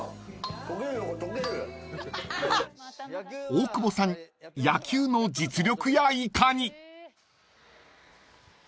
［大久保さん野球の実力やいかに］